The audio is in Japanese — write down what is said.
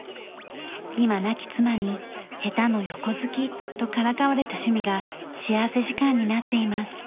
今亡き妻に下手の横好きとからかわれた趣味が幸福時間になっています。